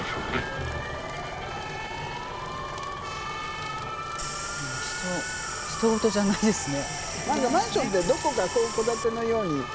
わあひと事じゃないですね。